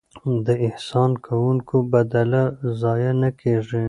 د احسان کوونکو بدله ضایع نه کیږي.